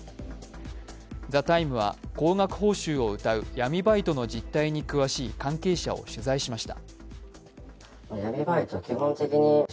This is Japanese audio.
「ＴＨＥＴＩＭＥ，」は高額報酬をうたう闇バイトの実態に詳しい関係者を取材しました。